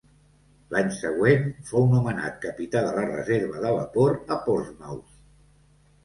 L'any següent fou nomenat capità de la reserva de vapor a Portsmouth.